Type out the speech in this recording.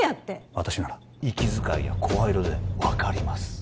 私なら息遣いや声色で分かります